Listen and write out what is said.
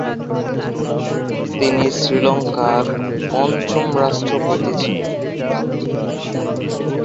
তিনি শ্রীলঙ্কার পঞ্চম রাষ্ট্রপতি ছিলেন।